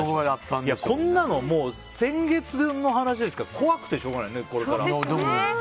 こんなの、先月の話ですから怖くてしょうがないよねここから。